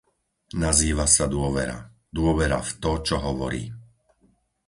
Nazýva sa dôvera - dôvera v to, čo hovorí.